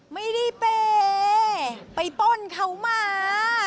ไม่ได้เปย์ไปป้นเขามา